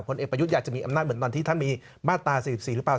เอกประยุทธ์อยากจะมีอำนาจเหมือนตอนที่ท่านมีมาตรา๔๔หรือเปล่า